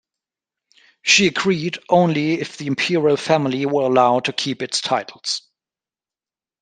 She agreed only if the imperial family were allowed to keep its titles.